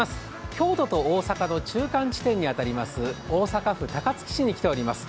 京都と大阪の中間地点に当たります大阪府高槻市に来ています。